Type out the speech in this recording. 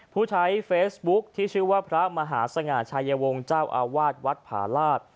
ผู้ใช้เฟซบุ๊คที่ชื่อว่าพระมหาสง่าชายวงศ์เจ้าอาวาสวัดผาลาศ